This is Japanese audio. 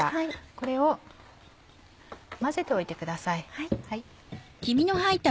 これを混ぜておいてください。